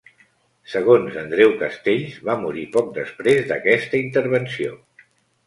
Segons Andreu Castells, va morir poc després d'aquesta intervenció.